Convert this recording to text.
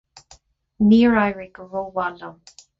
Níor éirigh go rómhaith liom.